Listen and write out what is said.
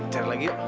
cari lagi yuk